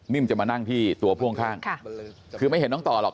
จะมานั่งที่ตัวพ่วงข้างคือไม่เห็นน้องต่อหรอก